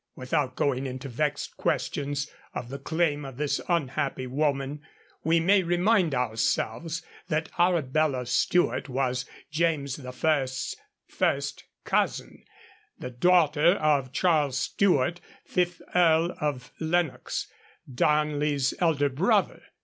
Without going into vexed questions of the claim of this unhappy woman, we may remind ourselves that Arabella Stuart was James I.'s first cousin, the daughter of Charles Stuart, fifth Earl of Lennox, Darnley's elder brother.